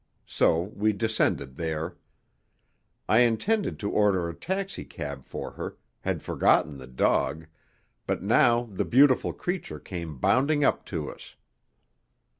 So we descended there. I intended to order a taxicab for her, had forgotten the dog, but now the beautiful creature came bounding up to us.